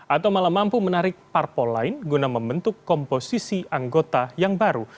atau malah mampu menarik parpol lain guna membentuk komposisi anggota yang baru